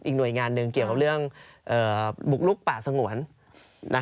หน่วยงานหนึ่งเกี่ยวกับเรื่องบุกลุกป่าสงวน